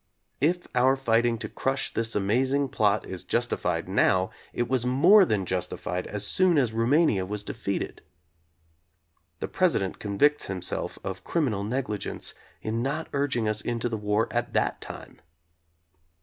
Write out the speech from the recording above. If our fighting to crush this amazing plot is justified now, it was more than justified as soon as Rumania was defeated. The President convicts himself of criminal negligence in not urg ing us into the war at that time.